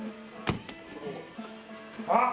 あっ！